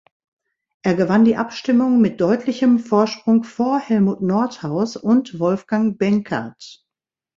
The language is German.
Er gewann die Abstimmung mit deutlichem Vorsprung vor Helmut Nordhaus und Wolfgang Benkert.